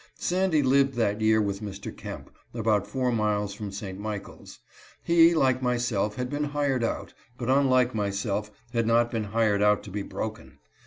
Sandy lived that year with Mr. Kemp, about four miles from St. Michaels. He, like myself, had been hired out, but unlike myself had not been hired out to be broken.